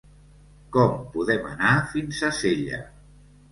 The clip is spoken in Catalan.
Com podem anar fins a Sella?